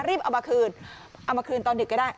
เอามาคืนเอามาคืนตอนดึกก็ได้